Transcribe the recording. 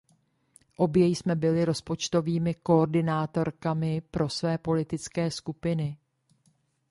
Obě jsme byly rozpočtovými koordinátorkami pro své politické skupiny.